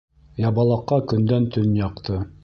Ябалаҡҡа көндән төн яҡты.